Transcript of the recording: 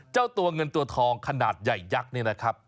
เจ้าตัวเงินตัวทองขนาดใหญ่ยักษ์นี่นะครับ